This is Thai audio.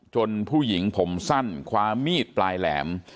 ผู้หญิงผมสั้นคว้ามีดปลายแหลม